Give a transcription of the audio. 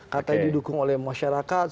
katanya didukung oleh masyarakat